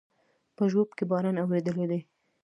په ژوب کې باران اورېدلى دی